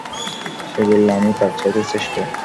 সে বলল, আমি তার চাইতে শ্রেষ্ঠ।